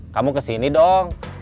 kamu kesini dong